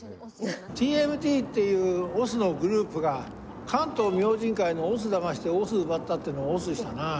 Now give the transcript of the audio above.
「ＴＭＴ」っていう押忍のグループが「関東明神会」の押忍だまして押忍奪ったってのは押忍したなぁ。